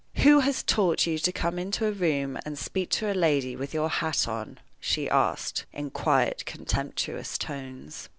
"Who has taught you to come into a room and speak to a lady with your hat on?" she asked, in quiet, contemptuous tones.